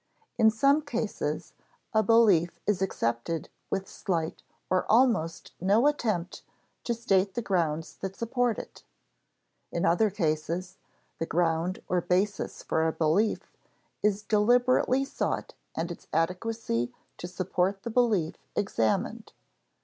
In some cases, a belief is accepted with slight or almost no attempt to state the grounds that support it. In other cases, the ground or basis for a belief is deliberately sought and its adequacy to support the belief examined.